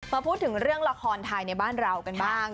มาพูดถึงเรื่องละครไทยในบ้านเรากันบ้าง